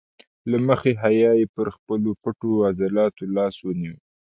له مخې حیا یې پر خپلو پټو عضلاتو لاس ونیو.